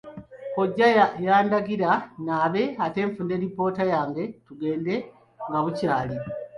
Kkojja yandagira nnaabe ate nfune lipoota yange tugende nga bukyali.